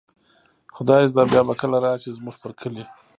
خدای زده بیا به کله را شئ، زموږ پر کلي